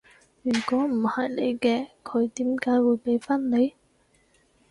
如果唔係你嘅，佢點解會畀返你？